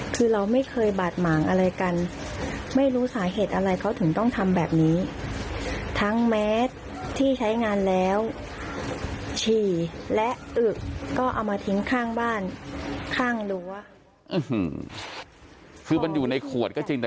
คือมันอยู่ในขวดก็จริงแต่กลิ่นมันออกนะครับ